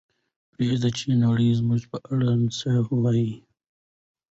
پرېږدئ چې نړۍ زموږ په اړه ښه ووایي.